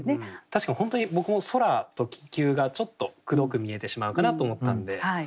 確かに本当に僕も「空」と「気球」がちょっとくどく見えてしまうかなと思ったんで。